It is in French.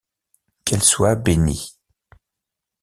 Qu’elle soit bénie.